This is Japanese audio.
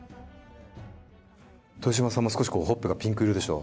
豊島さんも少しほっぺがピンク色でしょう。